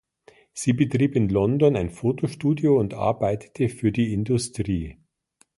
Sie betrieb in London ein Fotostudio und arbeitete für die Industrie.